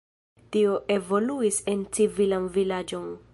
Tio evoluis en civilan vilaĝon.